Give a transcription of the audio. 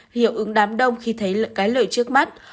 hiệu ứng đám đông khi thấy cái lợi trước mắt